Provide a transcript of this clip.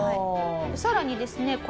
さらにですね